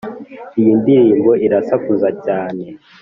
iyi ndirimbo irasakuza cyane